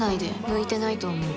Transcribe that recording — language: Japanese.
向いてないと思う。